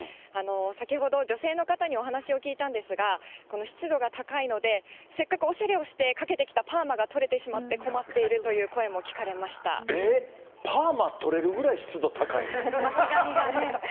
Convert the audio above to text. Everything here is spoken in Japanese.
先ほど、女性の方にお話を聞いたんですが、この湿度が高いので、せっかくおしゃれをしてかけてきたパーマが取れてしまって困ってえっ、パーマ取れるぐらい湿前髪がね。